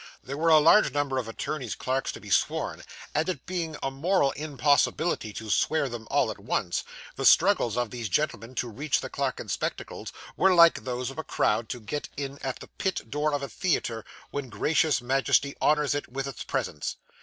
There were a large number of attorneys' clerks to be sworn, and it being a moral impossibility to swear them all at once, the struggles of these gentlemen to reach the clerk in spectacles, were like those of a crowd to get in at the pit door of a theatre when Gracious Majesty honours it with its presence.